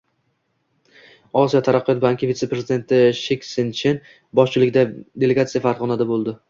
Osiyo taraqqiyot banki vitse-prezidenti Shiksin Chen boshchiligidagi delegatsiya Farg‘onada bo‘ldi